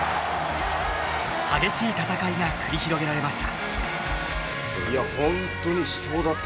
激しい闘いが繰り広げられました。